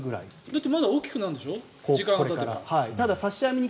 だってまだ大きくなるんでしょ時間をかければ。